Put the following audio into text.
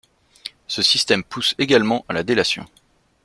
Ce système pousse également à la délation.